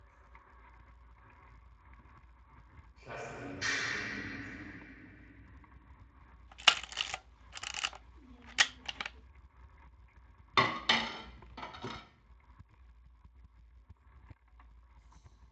Líl eelʼóonik̲!